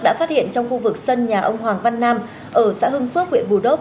đã phát hiện trong khu vực sân nhà ông hoàng văn nam ở xã hưng phước huyện bù đốc